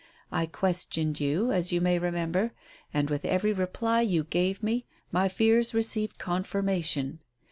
I questioned you as you may remember, and, with every reply you gave me, my fears received confirmation.